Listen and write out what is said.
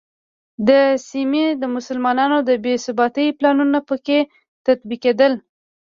د سیمې د مسلمانانو د بې ثباتۍ پلانونه په کې تطبیقېدل.